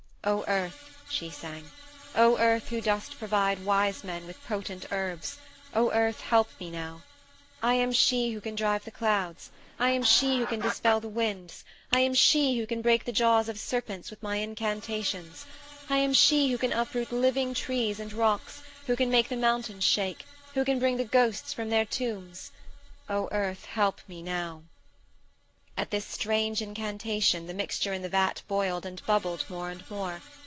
"O Earth," she sang, "O Earth who dost provide wise men with potent herbs, O Earth help me now. I am she who can drive the clouds; I am she who can dispel the winds; I am she who can break the jaws of serpents with my incantations; I am she who can uproot living trees and rocks; who can make the mountains shake; who can bring the ghosts from their tombs. O Earth, help me now." At this strange incantation the mixture in the vat boiled and bubbled more and more.